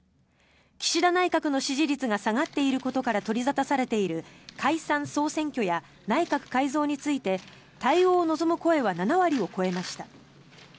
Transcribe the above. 岸田内閣の支持率が下がっていることから取り沙汰されている解散・総選挙や内閣改造について対応を望む声は７割を超えました。